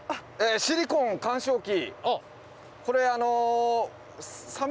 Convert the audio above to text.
シリコン緩衝器。